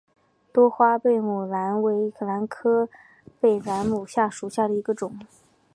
多花贝母兰为兰科贝母兰属下的一个种。